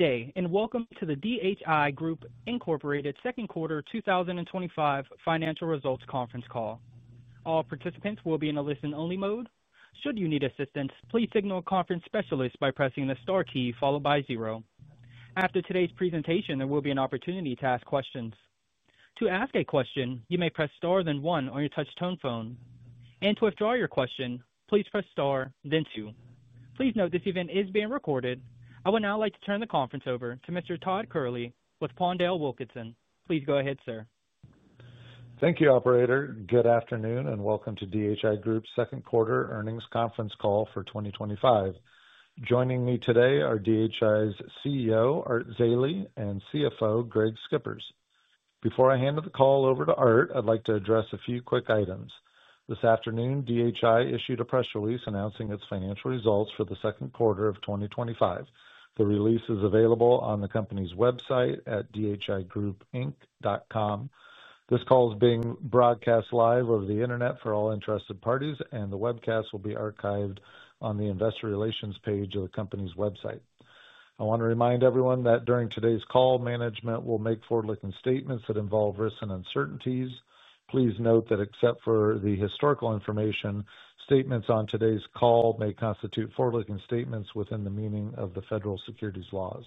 Today, and welcome to the DHI Group Inc. Second Quarter 2025 Financial Results Conference Call. All participants will be in a listen-only mode. Should you need assistance, please signal a conference specialist by pressing the star key followed by zero. After today's presentation, there will be an opportunity to ask questions. To ask a question, you may press star then one on your touch-tone phone, and to withdraw your question, please press star then two. Please note this event is being recorded. I would now like to turn the conference over to Mr. Todd Kehrli with PondelWilkinson. Please go ahead, sir. Thank you, Operator. Good afternoon and welcome to DHI Group's Second Quarter Earnings Conference Call for 2025. Joining me today are DHI's CEO, Art Zeile, and CFO, Greg Schippers. Before I hand the call over to Art, I'd like to address a few quick items. This afternoon, DHI Group Inc. issued a press release announcing its financial results for the second quarter of 2025. The release is available on the company's website at dhigroupinc.com. This call is being broadcast live over the Internet for all interested parties, and the webcast will be archived on the Investor Relations page of the company's website. I want to remind everyone that during today's call, management will make forward-looking statements that involve risks and uncertainties. Please note that except for the historical information, statements on today's call may constitute forward-looking statements within the meaning of the Federal Securities Laws.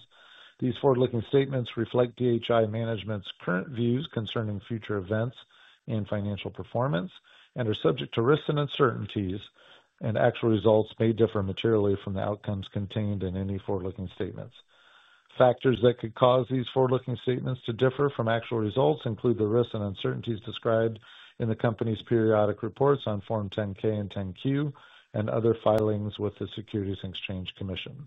These forward-looking statements reflect DHI Group Inc. management's current views concerning future events and financial performance and are subject to risks and uncertainties, and actual results may differ materially from the outcomes contained in any forward-looking statements. Factors that could cause these forward-looking statements to differ from actual results include the risks and uncertainties described in the company's periodic reports on Form 10-K and 10-Q and other filings with the Securities and Exchange Commission.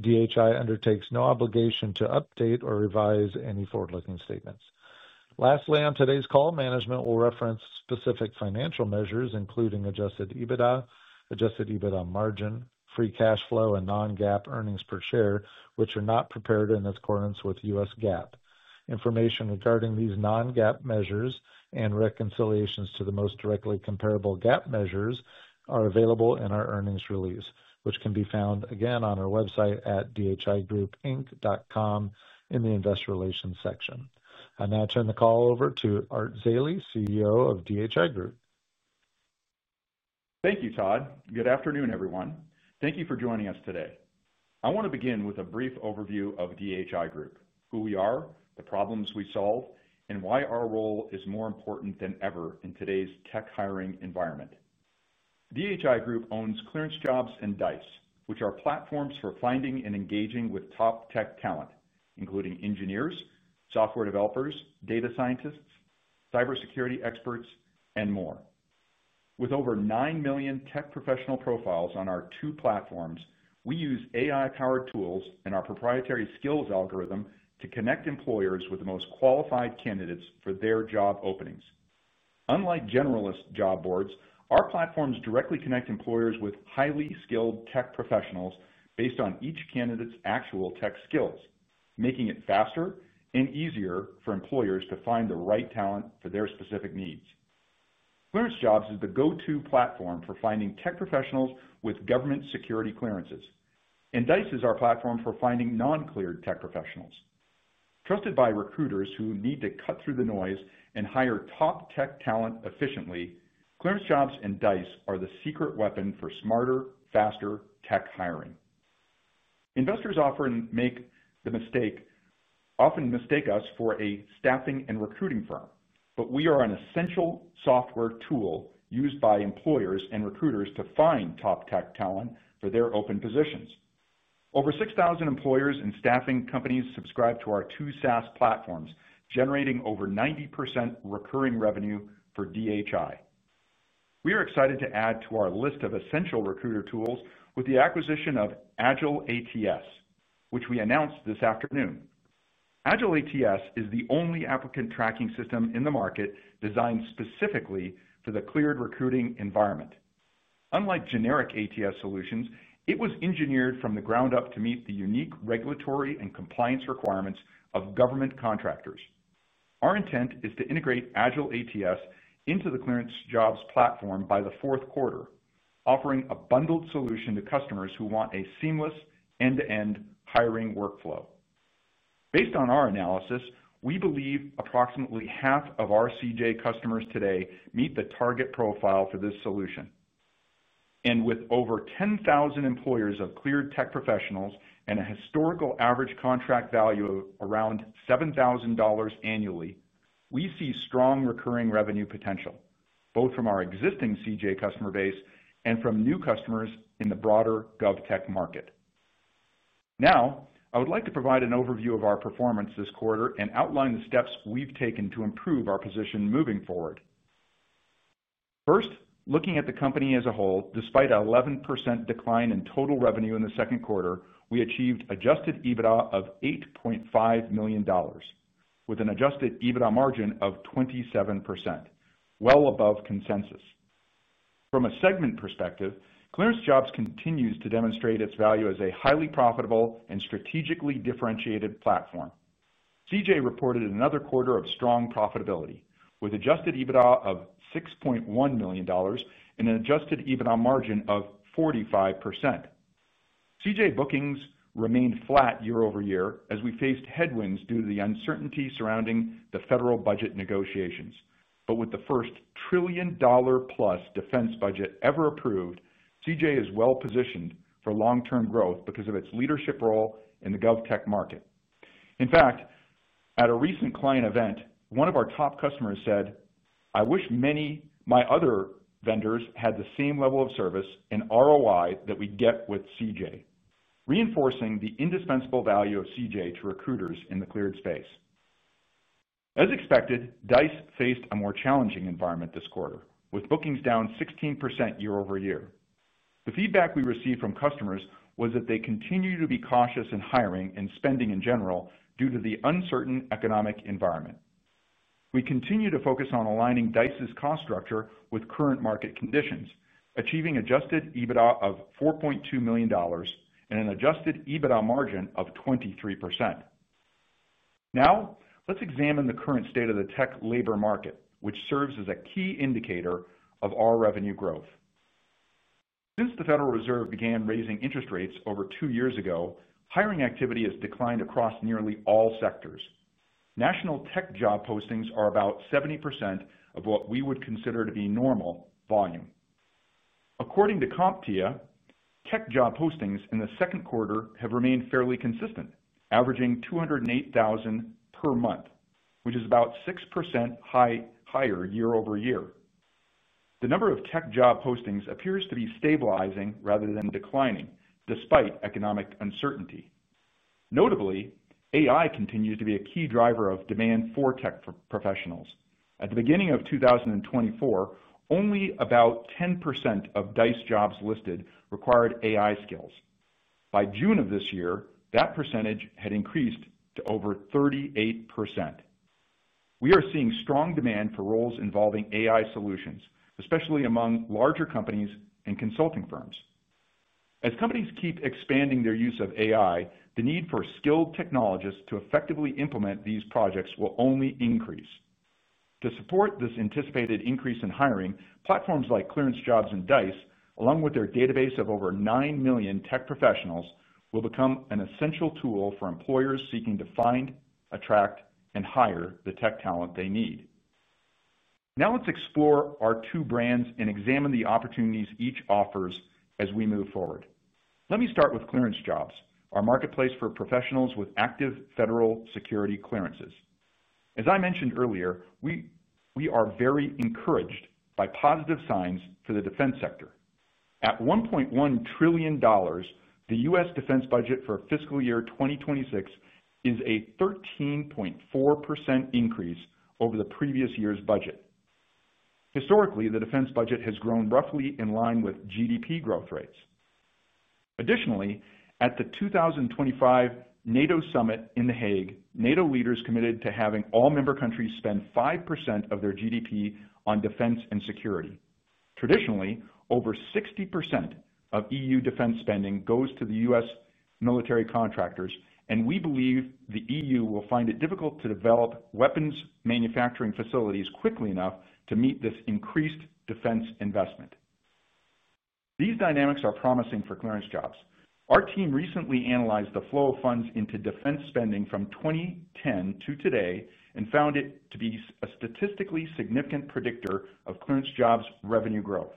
DHI Group Inc. undertakes no obligation to update or revise any forward-looking statements. Lastly, on today's call, management will reference specific financial measures including adjusted EBITDA, adjusted EBITDA margin, free cash flow, and non-GAAP earnings per share, which are not prepared in accordance with U.S. GAAP. Information regarding these non-GAAP measures and reconciliations to the most directly comparable GAAP measures are available in our earnings release, which can be found again on our website at dhigroupinc.com in the Investor Relations section. I now turn the call over to Art Zeile, CEO of DHI Group. Thank you, Todd. Good afternoon, everyone. Thank you for joining us today. I want to begin with a brief overview of DHI Group, who we are, the problems we solve, and why our role is more important than ever in today's tech hiring environment. DHI Group owns ClearanceJobs and Dice, which are platforms for finding and engaging with top tech talent, including engineers, software developers, data scientists, cybersecurity experts, and more. With over 9 million tech professional profiles on our two platforms, we use AI-powered tools and our proprietary skills algorithm to connect employers with the most qualified candidates for their job openings. Unlike generalist job boards, our platforms directly connect employers with highly skilled tech professionals based on each candidate's actual tech skills, making it faster and easier for employers to find the right talent for their specific needs. ClearanceJobs is the go-to platform for finding tech professionals with government security clearances, and Dice is our platform for finding non-cleared tech professionals. Trusted by recruiters who need to cut through the noise and hire top tech talent efficiently, ClearanceJobs and Dice are the secret weapon for smarter, faster tech hiring. Investors often mistake us for a staffing and recruiting firm, but we are an essential software tool used by employers and recruiters to find top tech talent for their open positions. Over 6,000 employers and staffing companies subscribe to our two SaaS platforms, generating over 90% recurring revenue for DHI. We are excited to add to our list of essential recruiter tools with the acquisition of AgileATS, which we announced this afternoon. AgileATS is the only applicant tracking system in the market designed specifically for the cleared recruiting environment. Unlike generic ATS solutions, it was engineered from the ground up to meet the unique regulatory and compliance requirements of government contractors. Our intent is to integrate AgileATS into the ClearanceJobs platform by the fourth quarter, offering a bundled solution to customers who want a seamless end-to-end hiring workflow. Based on our analysis, we believe approximately 1/2 of our CJ customers today meet the target profile for this solution. With over 10,000 employers of cleared tech professionals and a historical average contract value of around $7,000 annually, we see strong recurring revenue potential, both from our existing CJ customer base and from new customers in the broader GovTech market. I would like to provide an overview of our performance this quarter and outline the steps we've taken to improve our position moving forward. First, looking at the company as a whole, despite an 11% decline in total revenue in the second quarter, we achieved an adjusted EBITDA of $8.5 million, with an adjusted EBITDA margin of 27%, well above consensus expectations. From a segment perspective, ClearanceJobs continues to demonstrate its value as a highly profitable and strategically differentiated platform. CJ reported another quarter of strong profitability, with an adjusted EBITDA of $6.1 million and an adjusted EBITDA margin of 45%. CJ bookings remained flat year over year as we faced headwinds due to the uncertainty surrounding the federal budget negotiations. With the first $1 trillion+ defense budget ever approved, CJ is well-positioned for long-term growth because of its leadership role in the GovTech market. In fact, at a recent client event, one of our top customers said, "I wish many of my other vendors had the same level of service and ROI that we get with CJ," reinforcing the indispensable value of CJ to recruiters in the cleared space. As expected, Dice faced a more challenging environment this quarter, with bookings down 16% year-over-year. The feedback we received from customers was that they continue to be cautious in hiring and spending in general due to the uncertain economic environment. We continue to focus on aligning Dice's cost structure with current market conditions, achieving an adjusted EBITDA of $4.2 million and an adjusted EBITDA margin of 23%. Now, let's examine the current state of the tech labor market, which serves as a key indicator of our revenue growth. Since the Federal Reserve began raising interest rates over two years ago, hiring activity has declined across nearly all sectors. National tech job postings are about 70% of what we would consider to be normal volume. According to CompTIA, tech job postings in the second quarter have remained fairly consistent, averaging 208,000 per month, which is about 6% higher year over year. The number of tech job postings appears to be stabilizing rather than declining, despite economic uncertainty. Notably, AI continues to be a key driver of demand for tech professionals. At the beginning of 2024, only about 10% of Dice jobs listed required AI skills. By June of this year, that percentage had increased to over 38%. We are seeing strong demand for roles involving AI solutions, especially among larger companies and consulting firms. As companies keep expanding their use of AI, the need for skilled technologists to effectively implement these projects will only increase. To support this anticipated increase in hiring, platforms like ClearanceJobs and Dice, along with their database of over 9 million tech professionals, will become an essential tool for employers seeking to find, attract, and hire the tech talent they need. Now let's explore our two brands and examine the opportunities each offers as we move forward. Let me start with ClearanceJobs, our marketplace for professionals with active federal security clearances. As I mentioned earlier, we are very encouraged by positive signs for the defense sector. At $1.1 trillion, the U.S. defense budget for fiscal year 2026 is a 13.4% increase over the previous year's budget. Historically, the defense budget has grown roughly in line with GDP growth rates. Additionally, at the 2025 NATO Summit in The Hague, NATO leaders committed to having all member countries spend 5% of their GDP on defense and security. Traditionally, over 60% of EU defense spending goes to U.S. military contractors, and we believe the EU will find it difficult to develop weapons manufacturing facilities quickly enough to meet this increased defense investment. These dynamics are promising for ClearanceJobs. Our team recently analyzed the flow of funds into defense spending from 2010 to today and found it to be a statistically significant predictor of ClearanceJobs' revenue growth.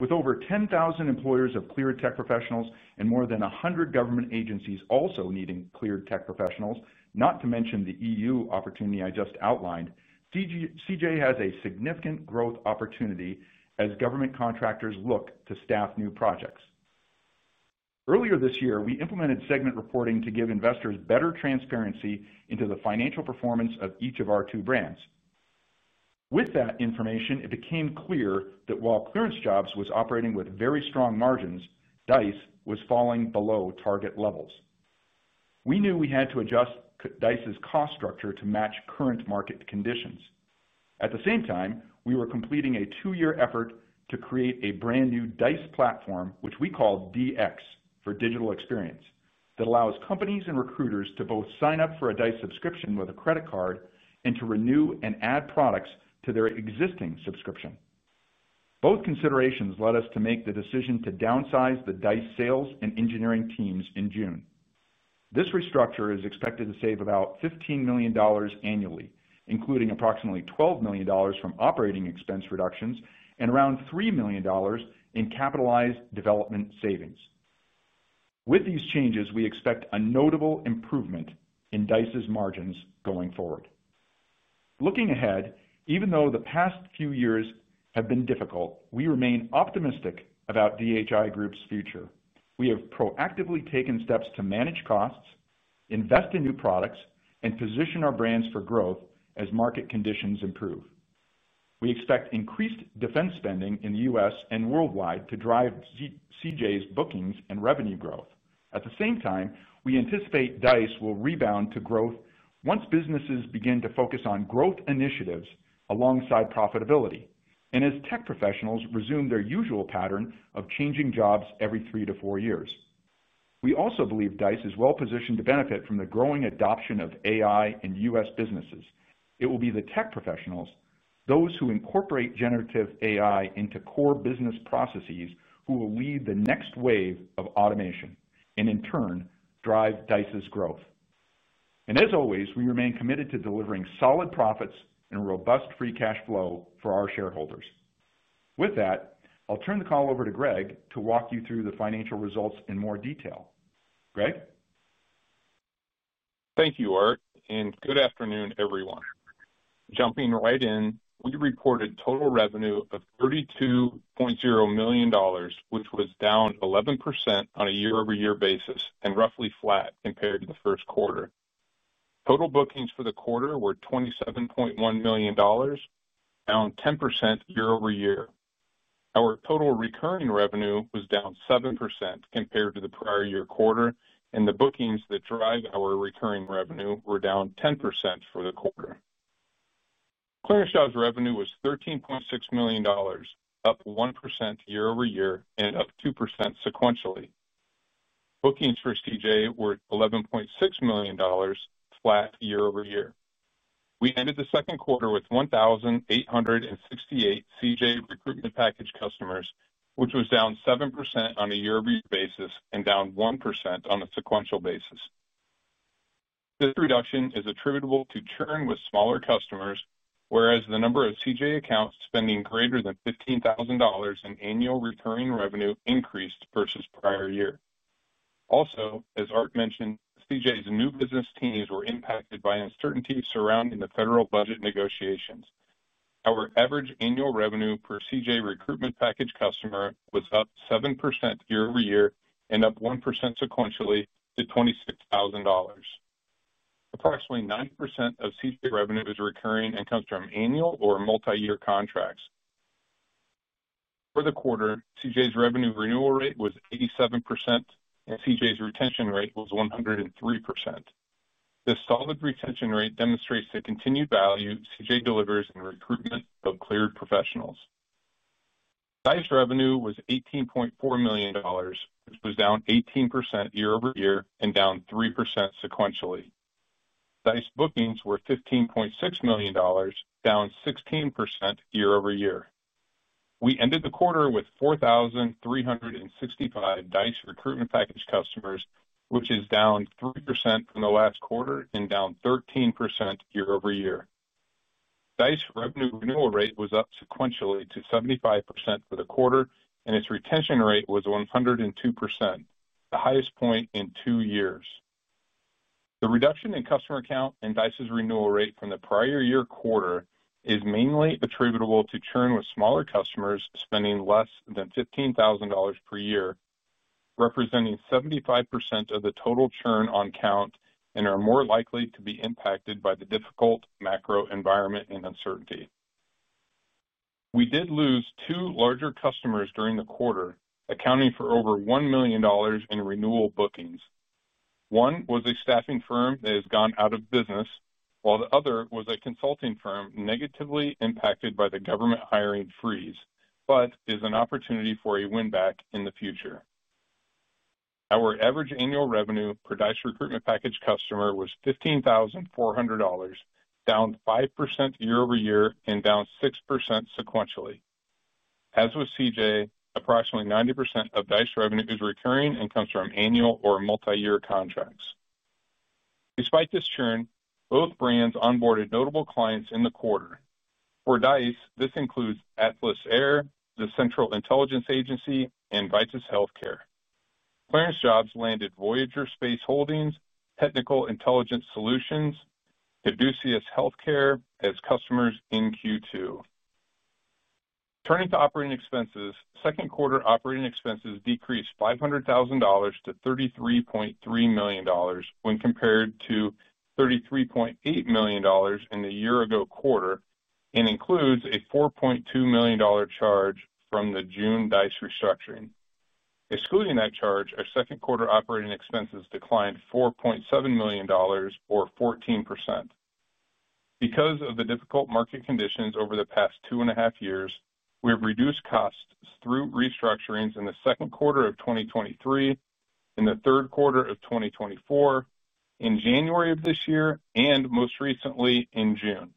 With over 10,000 employers of cleared tech professionals and more than 100 government agencies also needing cleared tech professionals, not to mention the EU opportunity I just outlined, CJ has a significant growth opportunity as government contractors look to staff new projects. Earlier this year, we implemented segment reporting to give investors better transparency into the financial performance of each of our two brands. With that information, it became clear that while ClearanceJobs was operating with very strong margins, Dice was falling below target levels. We knew we had to adjust Dice's cost structure to match current market conditions. At the same time, we were completing a two-year effort to create a brand new Dice platform, which we called DX for Digital Experience, that allows companies and recruiters to both sign up for a Dice subscription with a credit card and to renew and add products to their existing subscription. Both considerations led us to make the decision to downsize the Dice sales and engineering teams in June. This restructure is expected to save about $15 million annually, including approximately $12 million from operating expense reductions and around $3 million in capitalized development savings. With these changes, we expect a notable improvement in Dice's margins going forward. Looking ahead, even though the past few years have been difficult, we remain optimistic about DHI Group's future. We have proactively taken steps to manage costs, invest in new products, and position our brands for growth as market conditions improve. We expect increased defense spending in the U.S. and worldwide to drive CJ's bookings and revenue growth. At the same time, we anticipate Dice will rebound to growth once businesses begin to focus on growth initiatives alongside profitability and as tech professionals resume their usual pattern of changing jobs every 3-4 years. We also believe Dice is well-positioned to benefit from the growing adoption of AI in U.S. businesses. It will be the tech professionals, those who incorporate generative AI into core business processes, who will lead the next wave of automation and, in turn, drive Dice's growth. We remain committed to delivering solid profits and robust free cash flow for our shareholders. With that, I'll turn the call over to Greg to walk you through the financial results in more detail. Greg? Thank you, Art, and good afternoon, everyone. Jumping right in, we reported a total revenue of $32.0 million, which was down 11% on a year-over-year basis and roughly flat compared to the first quarter. Total bookings for the quarter were $27.1 million, down 10% year-over-year. Our total recurring revenue was down 7% compared to the prior year quarter, and the bookings that drive our recurring revenue were down 10% for the quarter. ClearanceJobs' revenue was $13.6 million, up 1% year-over-year and up 2% sequentially. Bookings for CJ were $11.6 million, flat year-over-year. We ended the second quarter with 1,868 CJ recruitment package customers, which was down 7% on a year-over-year basis and down 1% on a sequential basis. This reduction is attributable to churn with smaller customers, whereas the number of CJ accounts spending greater than $15,000 in annual recurring revenue increased versus prior year. Also, as Art mentioned, CJ's new business teams were impacted by uncertainty surrounding the federal budget negotiations. Our average annual revenue per CJ recruitment package customer was up 7% year-over-year and up 1% sequentially to $26,000. Approximately 9% of CJ revenue is recurring and comes from annual or multi-year contracts. For the quarter, CJ's revenue renewal rate was 87% and CJ's retention rate was 103%. This solid retention rate demonstrates the continued value CJ delivers in recruitment of cleared professionals. Dice revenue was $18.4 million, which was down 18% year-over-year and down 3% sequentially. Dice bookings were $15.6 million, down 16% year-over-year. We ended the quarter with 4,365 Dice recruitment package customers, which is down 3% from the last quarter and down 13% year-over-year. Dice revenue renewal rate was up sequentially to 75% for the quarter, and its retention rate was 102%, the highest point in two years. The reduction in customer count and Dice's renewal rate from the prior year quarter is mainly attributable to churn with smaller customers spending less than $15,000 per year, representing 75% of the total churn on count and are more likely to be impacted by the difficult macro environment and uncertainty. We did lose two larger customers during the quarter, accounting for over $1 million in renewal bookings. One was a staffing firm that has gone out of business, while the other was a consulting firm negatively impacted by the government hiring freeze, but is an opportunity for a win-back in the future. Our average annual revenue per Dice recruitment package customer was $15,400, down 5% year-over-year and down 6% sequentially. As with CJ, approximately 90% of Dice revenue is recurring and comes from annual or multi-year contracts. Despite this churn, both brands onboarded notable clients in the quarter. For Dice, this includes Atlas Air, the Central Intelligence Agency, and VITAS Healthcare. ClearanceJobs landed Voyager Space Holdings, Technical Intelligence Solutions, and CaduceusHealthcare as customers in Q2. Turning to operating expenses, second quarter operating expenses decreased $500,000 to $33.3 million when compared to $33.8 million in the year-ago quarter and includes a $4.2 million charge from the June Dice restructuring. Excluding that charge, our second quarter operating expenses declined $4.7 million, or 14%. Because of the difficult market conditions over the past 2.5 years, we have reduced costs through restructurings in the second quarter of 2023, in the third quarter of 2024, in January of this year, and most recently in June.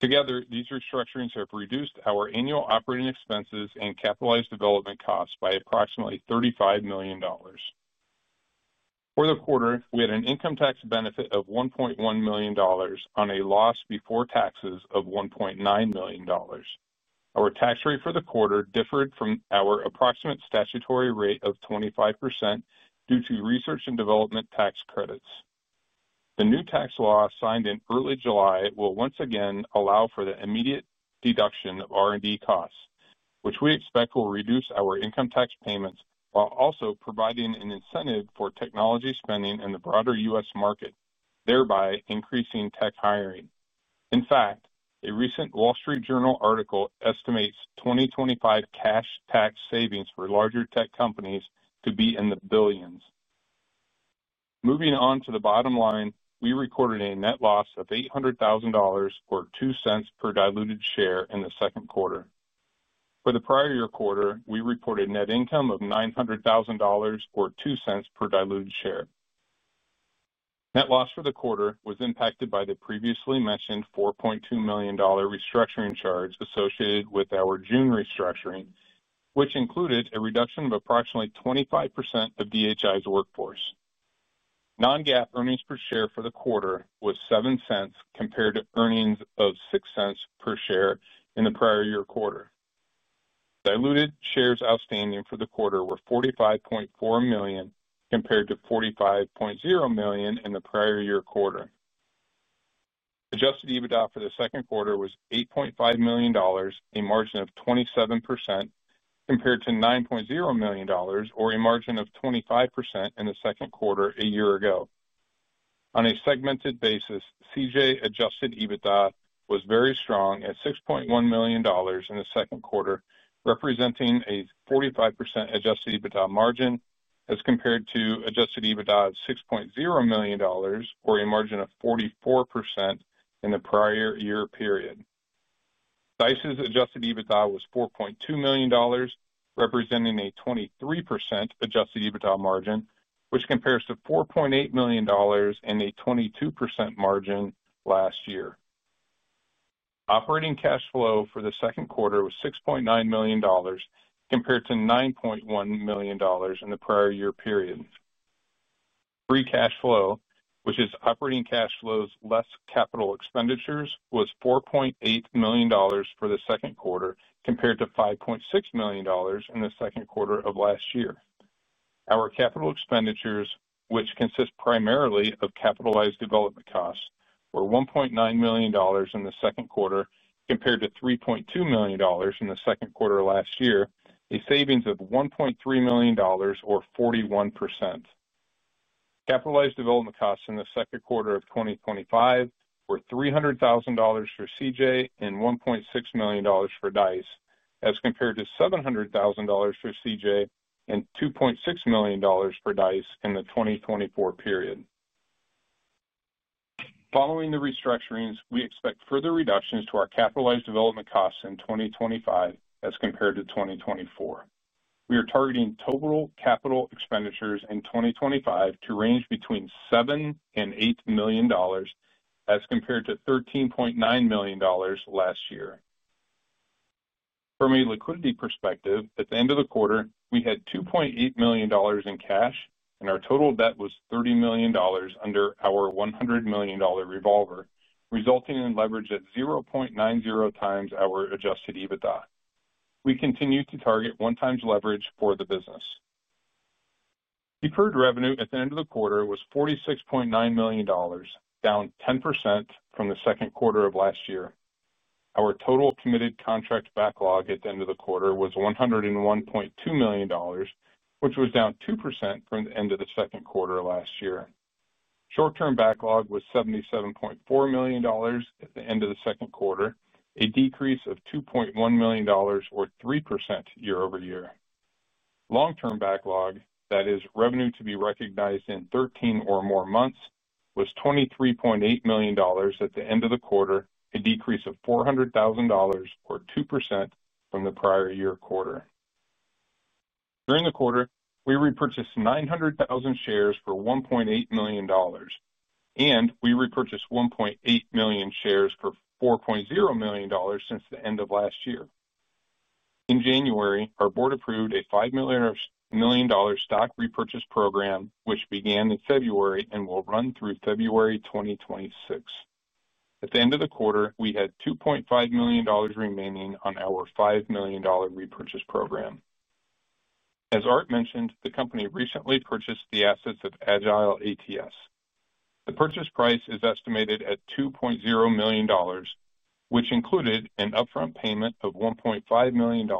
Together, these restructurings have reduced our annual operating expenses and capitalized development costs by approximately $35 million. For the quarter, we had an income tax benefit of $1.1 million on a loss before taxes of $1.9 million. Our tax rate for the quarter differed from our approximate statutory rate of 25% due to research and development tax credits. The new tax law signed in early July will once again allow for the immediate deduction of R&D costs, which we expect will reduce our income tax payments while also providing an incentive for technology spending in the broader U.S. market, thereby increasing tech hiring. In fact, a recent Wall Street Journal article estimates 2025 cash tax savings for larger tech companies to be in the billions. Moving on to the bottom line, we recorded a net loss of $800,000 or $0.02 per diluted share in the second quarter. For the prior year quarter, we recorded a net income of $900,000 or $0.02 per diluted share. Net loss for the quarter was impacted by the previously mentioned $4.2 million restructuring charge associated with our June restructuring, which included a reduction of approximately 25% of DHI's workforce. Non-GAAP earnings per share for the quarter was $0.07 compared to earnings of $0.06 per share in the prior year quarter. Diluted shares outstanding for the quarter were 45.4 million compared to 45.0 million in the prior year quarter. Adjusted EBITDA for the second quarter was $8.5 million, a margin of 27% compared to $9.0 million, or a margin of 25% in the second quarter a year ago. On a segmented basis, CJ adjusted EBITDA was very strong at $6.1 million in the second quarter, representing a 45% adjusted EBITDA margin as compared to adjusted EBITDA of $6.0 million, or a margin of 44% in the prior year period. Dice's adjusted EBITDA was $4.2 million, representing a 23% adjusted EBITDA margin, which compares to $4.8 million and a 22% margin last year. Operating cash flow for the second quarter was $6.9 million compared to $9.1 million in the prior year period. Free cash flow, which is operating cash flows less capital expenditures, was $4.8 million for the second quarter compared to $5.6 million in the second quarter of last year. Our capital expenditures, which consist primarily of capitalized development costs, were $1.9 million in the second quarter compared to $3.2 million in the second quarter last year, a savings of $1.3 million, or 41%. Capitalized development costs in the second quarter of 2025 were $300,000 for CJ and $1.6 million for Dice, as compared to $700,000 for CJ and $2.6 million for Dice in the 2024 period. Following the restructurings, we expect further reductions to our capitalized development costs in 2025 as compared to 2024. We are targeting total capital expenditures in 2025 to range between $7 million-$8 million, as compared to $13.9 million last year. From a liquidity perspective, at the end of the quarter, we had $2.8 million in cash and our total debt was $30 million under our $100 million revolver, resulting in leverage at 0.90x our adjusted EBITDA. We continue to target one-time leverage for the business. Deferred revenue at the end of the quarter was $46.9 million, down 10% from the second quarter of last year. Our total committed contract backlog at the end of the quarter was $101.2 million, which was down 2% from the end of the second quarter last year. Short-term backlog was $77.4 million at the end of the second quarter, a decrease of $2.1 million, or 3% year-over-year. Long-term backlog, that is, revenue to be recognized in 13 or more months, was $23.8 million at the end of the quarter, a decrease of $400,000 or 2% from the prior year quarter. During the quarter, we repurchased 900,000 shares for $1.8 million, and we repurchased 1.8 million shares for $4.0 million since the end of last year. In January, our board approved a $5 million stock repurchase program, which began in February and will run through February 2026. At the end of the quarter, we had $2.5 million remaining on our $5 million repurchase program. As Art mentioned, the company recently purchased the assets of AgileATS. The purchase price is estimated at $2.0 million, which included an upfront payment of $1.5 million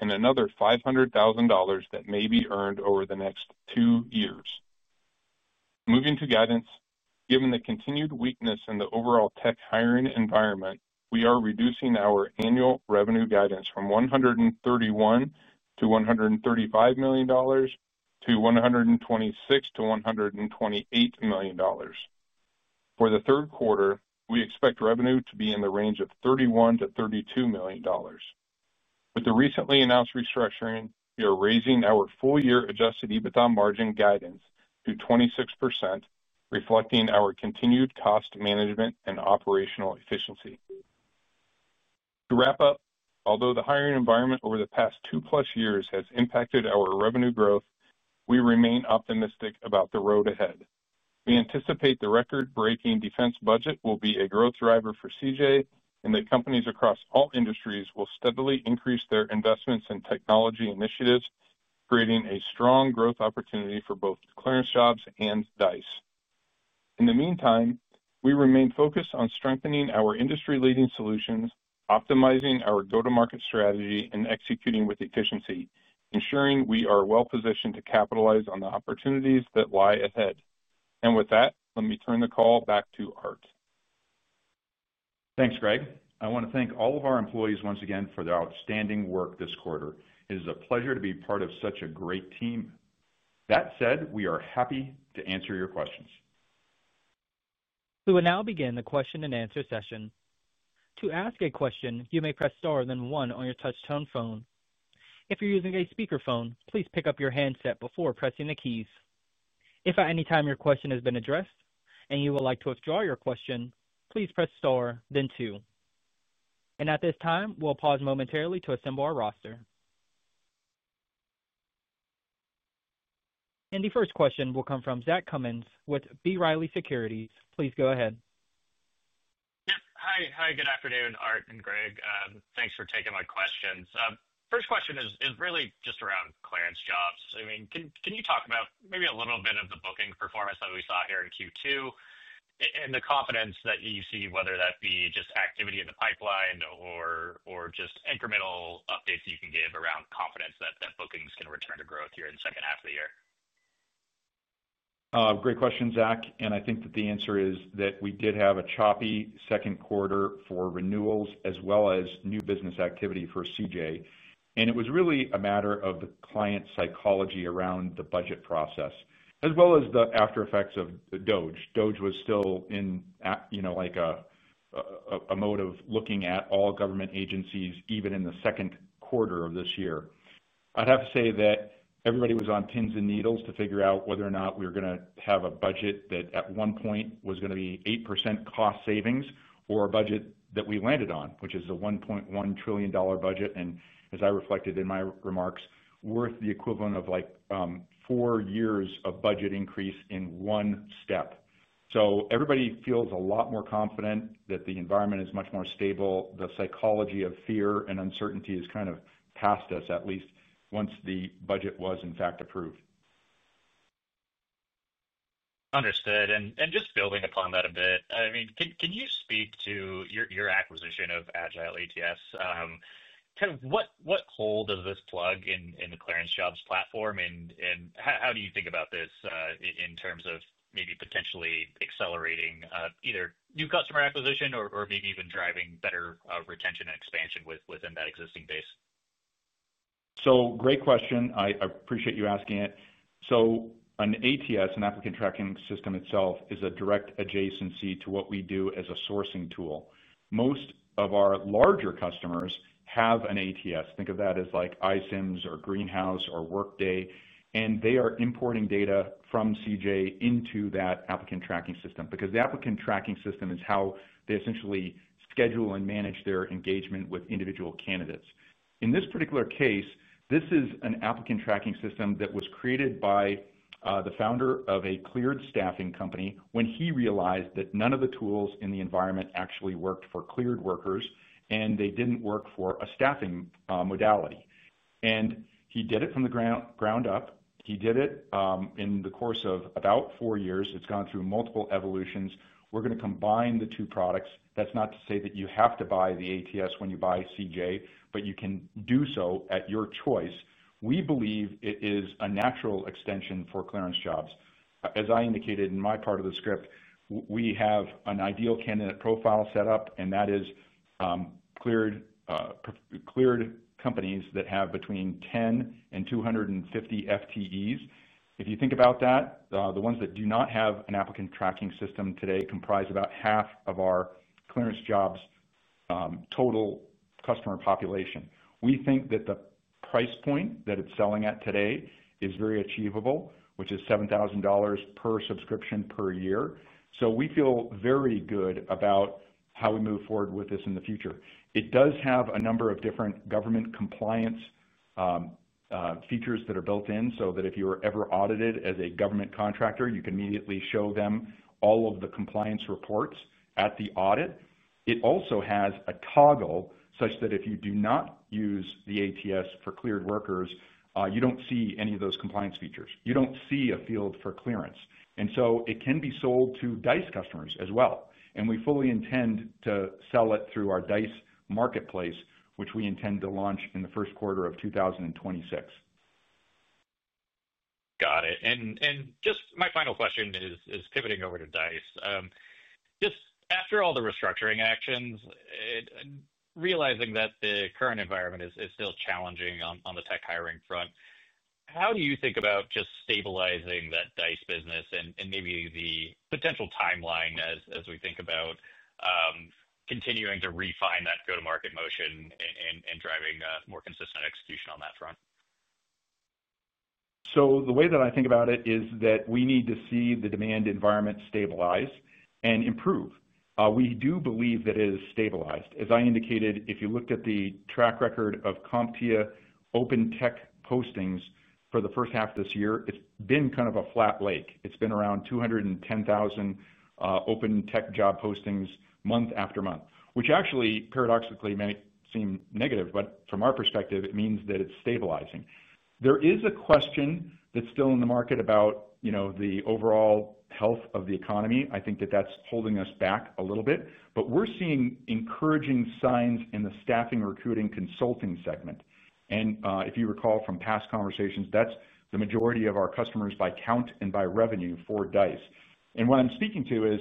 and another $500,000 that may be earned over the next two years. Moving to guidance, given the continued weakness in the overall tech hiring environment, we are reducing our annual revenue guidance from $131 million-$135 million to $126 million-$128 million. For the third quarter, we expect revenue to be in the range of $31 million-$32 million. With the recently announced restructuring, we are raising our full-year adjusted EBITDA margin guidance to 26%, reflecting our continued cost management and operational efficiency. To wrap up, although the hiring environment over the past 2+ years has impacted our revenue growth, we remain optimistic about the road ahead. We anticipate the record-breaking defense budget will be a growth driver for CJ, and that companies across all industries will steadily increase their investments in technology initiatives, creating a strong growth opportunity for both ClearanceJobs and Dice. In the meantime, we remain focused on strengthening our industry-leading solutions, optimizing our go-to-market strategy, and executing with efficiency, ensuring we are well-positioned to capitalize on the opportunities that lie ahead. Let me turn the call back to Art. Thanks, Greg. I want to thank all of our employees once again for their outstanding work this quarter. It is a pleasure to be part of such a great team. That said, we are happy to answer your questions. We will now begin the question and answer session. To ask a question, you may press star, then one on your touch-tone phone. If you're using a speakerphone, please pick up your handset before pressing the keys. If at any time your question has been addressed and you would like to withdraw your question, please press star, then two. At this time, we'll pause momentarily to assemble our roster. The first question will come from Zach Cummins with B. Riley Securities. Please go ahead. Hi. Good afternoon, Art and Greg. Thanks for taking my questions. First question is really just around ClearanceJobs. Can you talk about maybe a little bit of the booking performance that we saw here in Q2 and the confidence that you see, whether that be just activity in the pipeline or just incremental updates you can give around confidence that bookings can return to growth here in the second half of the year? Great question, Zach. I think that the answer is that we did have a choppy second quarter for renewals as well as new business activity for CJ. It was really a matter of the client's psychology around the budget process, as well as the after-effects of DOGE. DOGE was still in, you know, like a mode of looking at all government agencies, even in the second quarter of this year. I'd have to say that everybody was on pins and needles to figure out whether or not we were going to have a budget that at one point was going to be 8% cost savings or a budget that we landed on, which is a $1.1 trillion budget. As I reflected in my remarks, worth the equivalent of like four years of budget increase in one step. Everybody feels a lot more confident that the environment is much more stable. The psychology of fear and uncertainty is kind of past us, at least once the budget was in fact approved. Understood. Just building upon that a bit, can you speak to your acquisition of AgileATS? What role does this plug in the ClearanceJobs platform? How do you think about this in terms of potentially accelerating either new customer acquisition or even driving better retention and expansion within that existing base? Great question. I appreciate you asking it. An ATS, an applicant tracking system itself, is a direct adjacency to what we do as a sourcing tool. Most of our larger customers have an ATS. Think of that as like iSIMS or Greenhouse or Workday. They are importing data from CJ into that applicant tracking system because the applicant tracking system is how they essentially schedule and manage their engagement with individual candidates. In this particular case, this is an applicant tracking system that was created by the founder of a cleared staffing company when he realized that none of the tools in the environment actually worked for cleared workers and they didn't work for a staffing modality. He did it from the ground up in the course of about four years. It's gone through multiple evolutions. We're going to combine the two products. That's not to say that you have to buy the ATS when you buy CJ, but you can do so at your choice. We believe it is a natural extension for ClearanceJobs. As I indicated in my part of the script, we have an ideal candidate profile set up, and that is cleared companies that have between 10-250 FTEs. If you think about that, the ones that do not have an applicant tracking system today comprise about 1/2 of our ClearanceJobs total customer population. We think that the price point that it's selling at today is very achievable, which is $7,000 per subscription per year. We feel very good about how we move forward with this in the future. It does have a number of different government compliance features that are built in so that if you are ever audited as a government contractor, you can immediately show them all of the compliance reports at the audit. It also has a toggle such that if you do not use the ATS for cleared workers, you don't see any of those compliance features. You don't see a field for clearance. It can be sold to Dice customers as well. We fully intend to sell it through our Dice marketplace, which we intend to launch in the first quarter of 2026. Got it. Just my final question is pivoting over to Dice. After all the restructuring actions and realizing that the current environment is still challenging on the tech hiring front, how do you think about just stabilizing that Dice business and maybe the potential timeline as we think about continuing to refine that go-to-market motion and driving more consistent execution on that front? The way that I think about it is that we need to see the demand environment stabilize and improve. We do believe that it is stabilized. As I indicated, if you looked at the track record of CompTIA open tech postings for the first half of this year, it's been kind of a flat lake. It's been around 210,000 open tech job postings month after month, which actually paradoxically may seem negative, but from our perspective, it means that it's stabilizing. There is a question that's still in the market about the overall health of the economy. I think that that's holding us back a little bit, but we're seeing encouraging signs in the staffing, recruiting, consulting segment. If you recall from past conversations, that's the majority of our customers by count and by revenue for Dice. What I'm speaking to is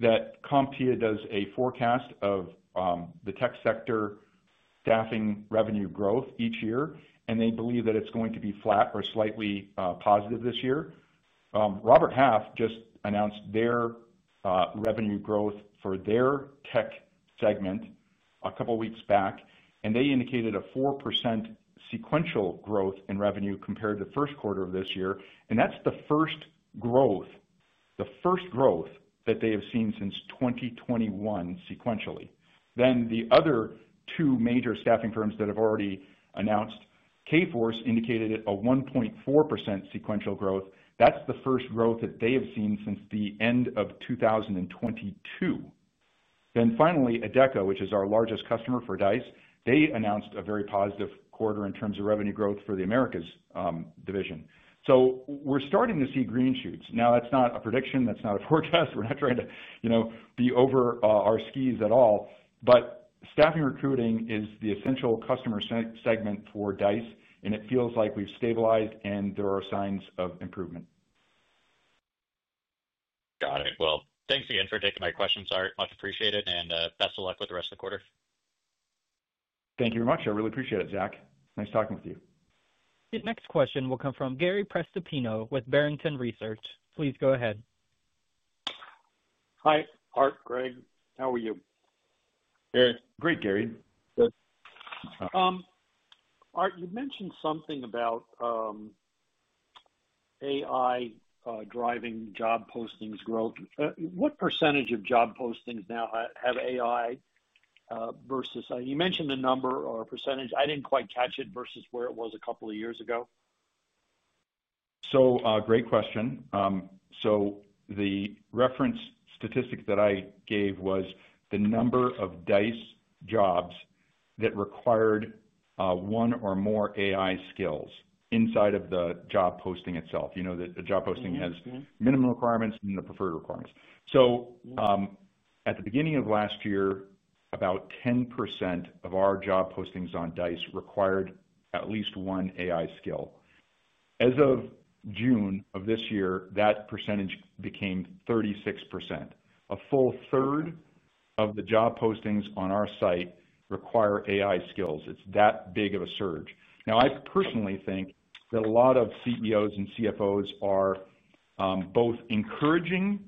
that CompTIA does a forecast of the tech sector staffing revenue growth each year, and they believe that it's going to be flat or slightly positive this year. Robert Half just announced their revenue growth for their tech segment a couple of weeks back, and they indicated a 4% sequential growth in revenue compared to the first quarter of this year. That's the first growth, the first growth that they have seen since 2021 sequentially. The other two major staffing firms that have already announced, Kforce, indicated a 1.4% sequential growth. That's the first growth that they have seen since the end of 2022. Finally, Adecco, which is our largest customer for Dice, announced a very positive quarter in terms of revenue growth for the Americas division. We're starting to see green shoots. That's not a prediction. That's not a forecast. We're not trying to be over our skis at all. Staffing recruiting is the essential customer segment for Dice, and it feels like we've stabilized and there are signs of improvement. Got it. Thanks again for taking my questions, Art. Much appreciated. Best of luck with the rest of the quarter. Thank you very much. I really appreciate it, Zach. Nice talking with you. Next question will come from Gary Prestopino with Barrington Research. Please go ahead. Hi, Art, Greg, how are you? Good. Great, Gary. Good. Art, you mentioned something about AI driving job postings growth. What percentage of job postings now have AI versus you mentioned a number or a percentage? I didn't quite catch it versus where it was a couple of years ago. Great question. The reference statistic that I gave was the number of Dice jobs that required one or more AI skills inside of the job posting itself. You know that a job posting has minimum requirements and the preferred requirements. At the beginning of last year, about 10% of our job postings on Dice required at least one AI skill. As of June of this year, that percentage became 36%. A full 1/3 of the job postings on our site require AI skills. It's that big of a surge. I personally think that a lot of CEOs and CFOs are both encouraging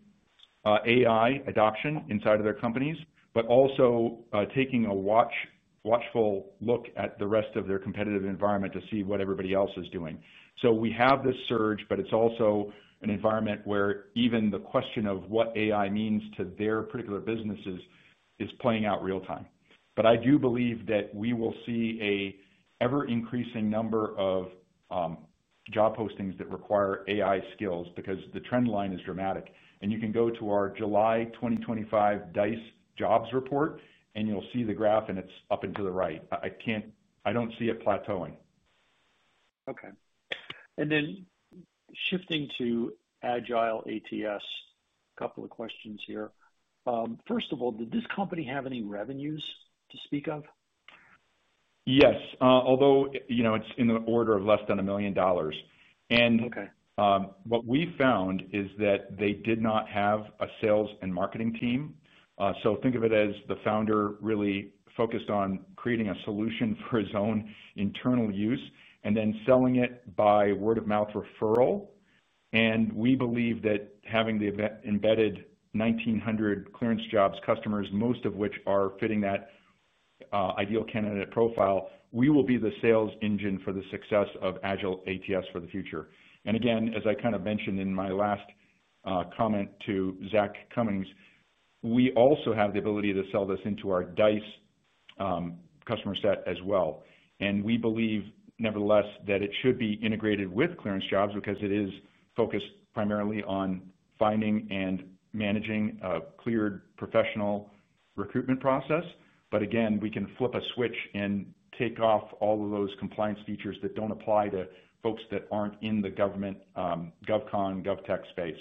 AI adoption inside of their companies, but also taking a watchful look at the rest of their competitive environment to see what everybody else is doing. We have this surge, but it's also an environment where even the question of what AI means to their particular businesses is playing out real time. I do believe that we will see an ever-increasing number of job postings that require AI skills because the trend line is dramatic. You can go to our July 2025 Dice jobs report, and you'll see the graph, and it's up and to the right. I can't, I don't see it plateauing. Okay. Shifting to AgileATS, a couple of questions here. First of all, did this company have any revenues to speak of? Yes, although you know it's in the order of less than $1 million. What we found is that they did not have a sales and marketing team. Think of it as the founder really focused on creating a solution for his own internal use and then selling it by word-of-mouth referral. We believe that having the embedded 1,900 ClearanceJobs customers, most of which are fitting that ideal candidate profile, we will be the sales engine for the success of AgileATS for the future. As I mentioned in my last comment to Zachary Cummins, we also have the ability to sell this into our Dice customer set as well. We believe, nevertheless, that it should be integrated with ClearanceJobs because it is focused primarily on finding and managing a cleared professional recruitment process. We can flip a switch and take off all of those compliance features that don't apply to folks that aren't in the government GovCon, GovTech space.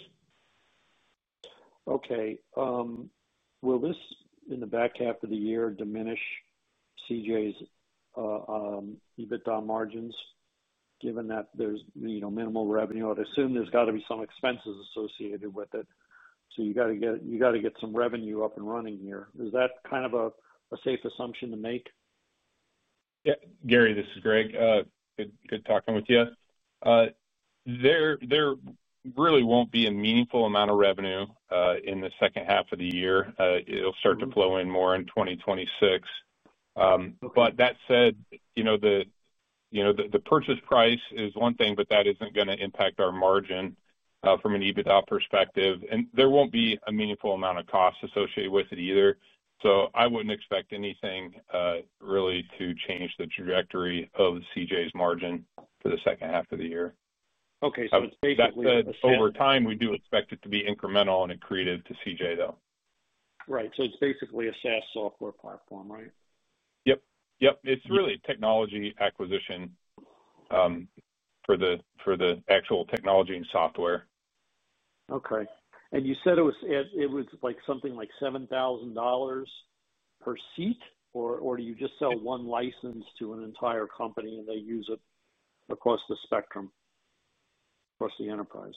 Okay. Will this, in the back half of the year, diminish CJ's EBITDA margins? Given that there's minimal revenue, I'd assume there's got to be some expenses associated with it. You got to get some revenue up and running here. Is that kind of a safe assumption to make? Gary, this is Greg. Good talking with you. There really won't be a meaningful amount of revenue in the second half of the year. It'll start to flow in more in 2026. That said, you know the purchase price is one thing, but that isn't going to impact our margin from an EBITDA perspective. There won't be a meaningful amount of costs associated with it either. I wouldn't expect anything really to change the trajectory of CJ's margin for the second half of the year. Okay. That said, over time, we do expect it to be incremental and accretive to CJ, though. Right, it's basically a SaaS software platform, right? Yep. Yep. It's really a technology acquisition for the actual technology and software. Okay. You said it was like something like $7,000 per seat? Do you just sell one license to an entire company and they use it across the spectrum, across the enterprise?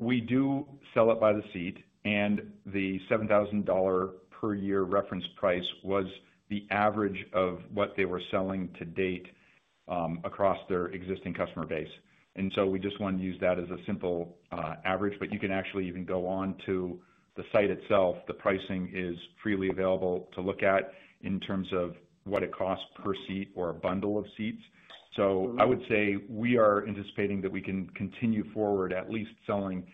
We do sell it by the seat, and the $7,000 per year reference price was the average of what they were selling to date across their existing customer base. We just wanted to use that as a simple average, but you can actually even go on to the site itself. The pricing is freely available to look at in terms of what it costs per seat or a bundle of seats. I would say we are anticipating that we can continue forward at least selling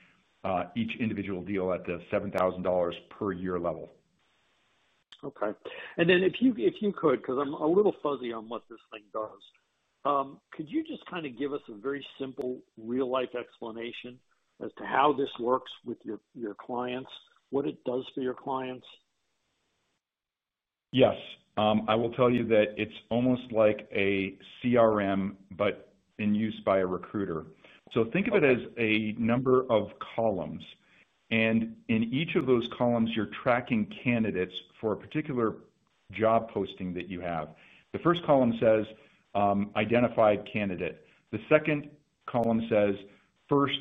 each individual deal at the $7,000 per year level. Okay. If you could, because I'm a little fuzzy on what this thing does, could you just kind of give us a very simple real-life explanation as to how this works with your clients, what it does for your clients? Yes. I will tell you that it's almost like a CRM, but in use by a recruiter. Think of it as a number of columns, and in each of those columns, you're tracking candidates for a particular job posting that you have. The first column says, "Identified candidate." The second column says, "First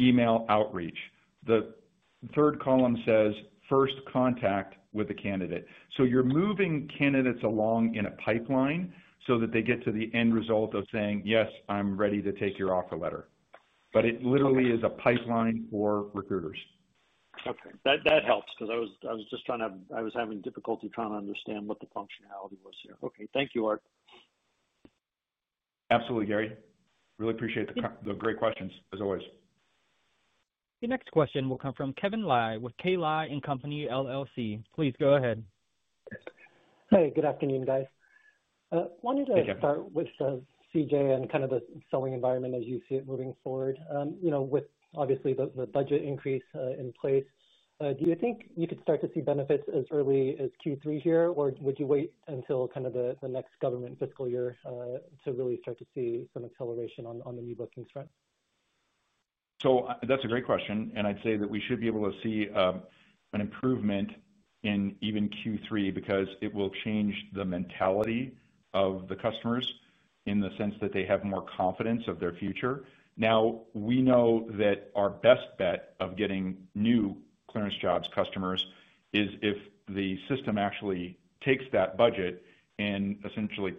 email outreach." The third column says, "First contact with a candidate." You're moving candidates along in a pipeline so that they get to the end result of saying, "Yes, I'm ready to take your offer letter." It literally is a pipeline for recruiters. Okay, that helps because I was just trying to, I was having difficulty trying to understand what the functionality was here. Okay, thank you, Art. Absolutely, Gary. Really appreciate the great questions, as always. The next question will come from Kevin Liu with K. Liu & Company LLC. Please go ahead. Hey, good afternoon, guys. I wanted to start with CJ and kind of the selling environment as you see it moving forward. With obviously the budget increase in place, do you think you could start to see benefits as early as Q3 here, or would you wait until kind of the next government fiscal year to really start to see some acceleration on the new bookings front? That's a great question. I'd say that we should be able to see an improvement in even Q3 because it will change the mentality of the customers in the sense that they have more confidence of their future. We know that our best bet of getting new ClearanceJobs customers is if the system actually takes that budget and essentially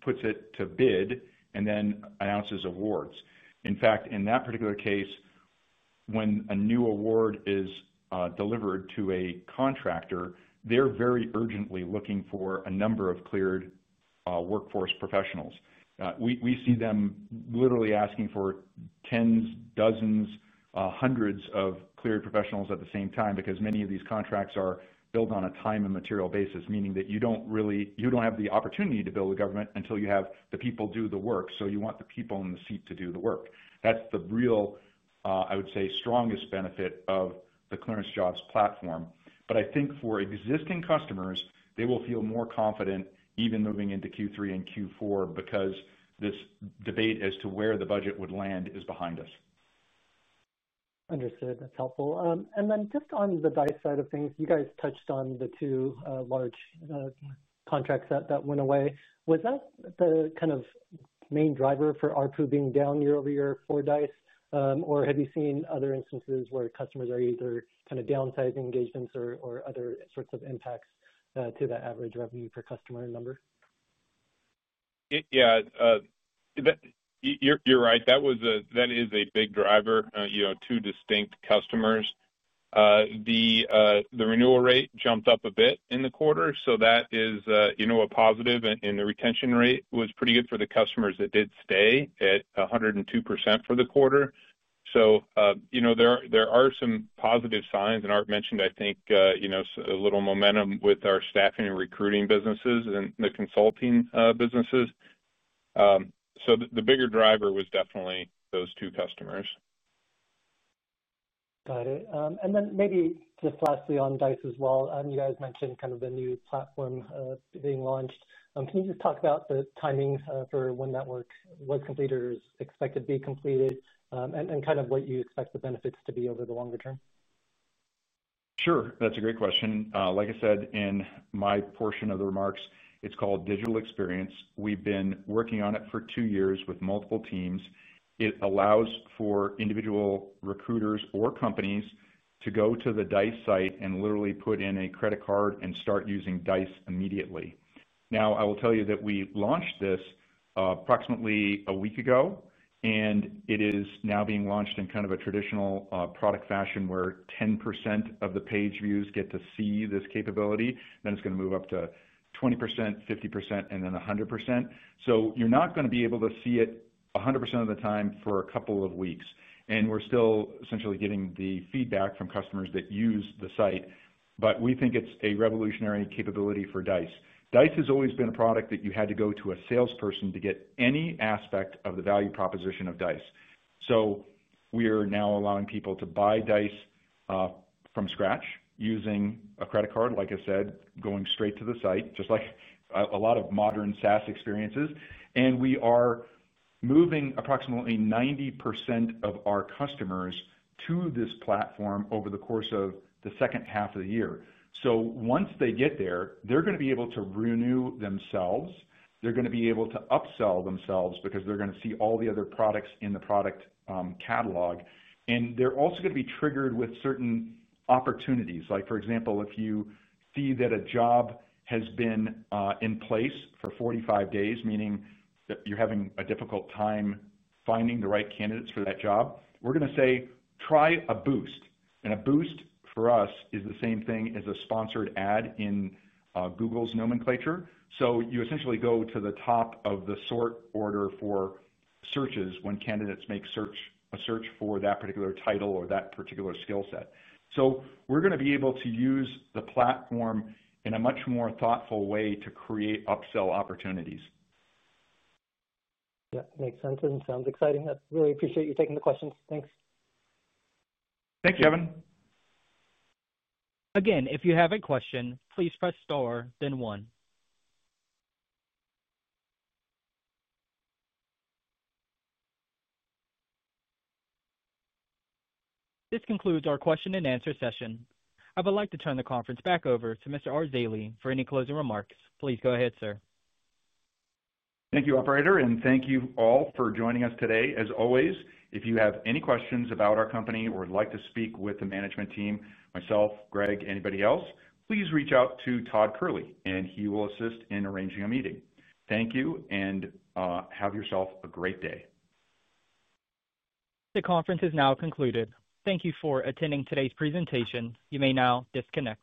puts it to bid and then announces awards. In fact, in that particular case, when a new award is delivered to a contractor, they're very urgently looking for a number of cleared workforce professionals. We see them literally asking for tens, dozens, hundreds of cleared professionals at the same time because many of these contracts are built on a time and material basis, meaning that you don't really have the opportunity to bill the government until you have the people do the work. You want the people in the seat to do the work. That's the real, I would say, strongest benefit of the ClearanceJobs platform. I think for existing customers, they will feel more confident even moving into Q3 and Q4 because this debate as to where the budget would land is behind us. Understood. That's helpful. Just on the Dice side of things, you guys touched on the two large contracts that went away. Was that the kind of main driver for ARPU being down year over year for Dice, or have you seen other instances where customers are either kind of downsizing engagements or other sorts of impacts to the average revenue per customer number? Yeah, you're right. That is a big driver. You know, two distinct customers. The renewal rate jumped up a bit in the quarter, so that is a positive, and the retention rate was pretty good for the customers. It did stay at 102% for the quarter. You know, there are some positive signs, and Art mentioned, I think, a little momentum with our staffing and recruiting businesses and the consulting businesses. The bigger driver was definitely those two customers. Got it. Maybe just lastly on Dice as well, you guys mentioned kind of the new platform being launched. Can you just talk about the timing for when that works, what completers expect to be completed, and kind of what you expect the benefits to be over the longer term? Sure. That's a great question. Like I said, in my portion of the remarks, it's called Digital Experience. We've been working on it for two years with multiple teams. It allows for individual recruiters or companies to go to the Dice site and literally put in a credit card and start using Dice immediately. I will tell you that we launched this approximately a week ago, and it is now being launched in kind of a traditional product fashion where 10% of the page views get to see this capability. It is going to move up to 20%, 50%, and then 100%. You're not going to be able to see it 100% of the time for a couple of weeks. We're still essentially getting the feedback from customers that use the site, but we think it's a revolutionary capability for Dice. Dice has always been a product that you had to go to a salesperson to get any aspect of the value proposition of Dice. We are now allowing people to buy Dice from scratch using a credit card, like I said, going straight to the site, just like a lot of modern SaaS experiences. We are moving approximately 90% of our customers to this platform over the course of the second half of the year. Once they get there, they're going to be able to renew themselves. They're going to be able to upsell themselves because they're going to see all the other products in the product catalog. They're also going to be triggered with certain opportunities. For example, if you see that a job has been in place for 45 days, meaning that you're having a difficult time finding the right candidates for that job, we're going to say, "Try a boost." A boost for us is the same thing as a sponsored ad in Google's nomenclature. You essentially go to the top of the sort order for searches when candidates make a search for that particular title or that particular skill set. We're going to be able to use the platform in a much more thoughtful way to create upsell opportunities. That makes sense and sounds exciting. I really appreciate you taking the questions. Thanks. Thanks, Evan. Again, if you have a question, please press star, then one. This concludes our question and answer session. I would like to turn the conference back over to Mr. Art Zeile for any closing remarks. Please go ahead, sir. Thank you, Operator, and thank you all for joining us today. As always, if you have any questions about our company or would like to speak with the management team, myself, Greg, anybody else, please reach out to Todd Kehrli, and he will assist in arranging a meeting. Thank you and have yourself a great day. The conference is now concluded. Thank you for attending today's presentation. You may now disconnect.